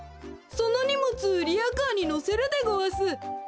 そのにもつリアカーにのせるでごわす。